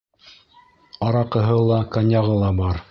Араҡыһы ла, коньяғы ла бар.